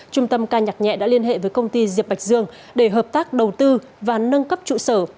trung tâm ca nhạc nhẹ đã liên hệ với công ty diệp bạch dương để hợp tác đầu tư và nâng cấp trụ sở